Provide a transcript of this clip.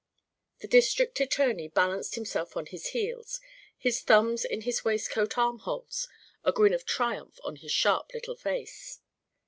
The district attorney balanced himself on his heels, his thumbs in his waistcoat armholes, a grin of triumph on his sharp little face.